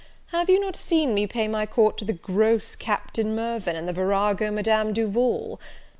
Have you not seen me pay my court to the gross Captain Mirvan, and the virago Madame Duval?